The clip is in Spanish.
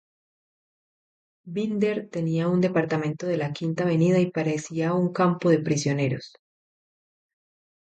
Binder tenía un departamento en la Quinta Avenida y parecía un campo de prisioneros.